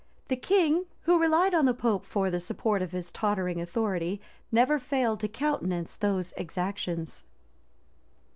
The king, who relied on the pope for the support of his tottering authority, never failed to countenance those exactions.